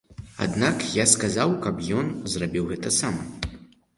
Аднак я сказаў, каб ён зрабіў гэта сам.